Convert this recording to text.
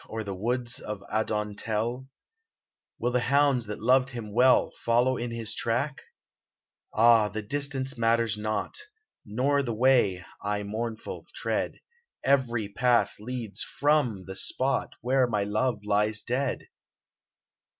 Or the woods of Adon tell ? 122 ADONIS Will the hounds that loved him well Follow in his track ? Ah, the distance matters not, Nor the way I, mournful, tread : Every path leads /r^w the spot Where my love lies dead